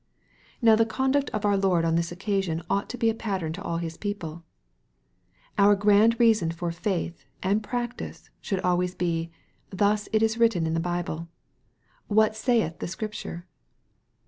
Now the conduct of our Lord on this occasion ought to be a pattern to all His people. Our grand reason for our faith, and practice, should always be, " Thus it is written in the Bible." "What saith the Scripture?"